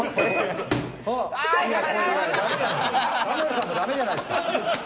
タモリさんもダメじゃないですか。